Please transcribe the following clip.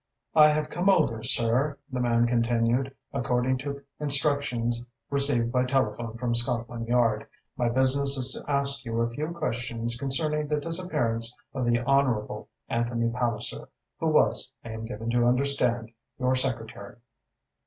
"I have come over, sir," the man continued, "according to instructions received by telephone from Scotland Yard. My business is to ask you a few questions concerning the disappearance of the Honourable Anthony Palliser, who was, I am given to understand, your secretary."